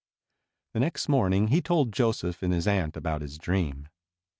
The next morning he told Joseph and his aunt about his dream.